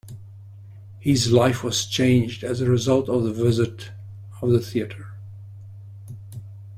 His life was changed as a result of the visit of the theatre.